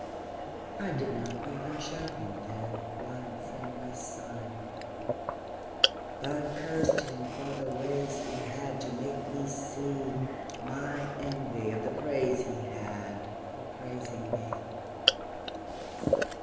I did not even show him then One friendly sign; But cursed him for the ways he had To make me see My envy of the praise he had For praising me.